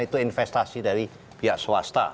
itu investasi dari pihak swasta